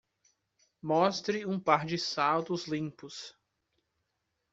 Mostre um par de saltos limpos.